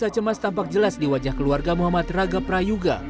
rasa cemas tampak jelas di wajah keluarga muhammad raga prayuga